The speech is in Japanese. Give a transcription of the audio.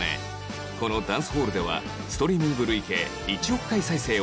この『ダンスホール』ではストリーミング累計１億回再生を突破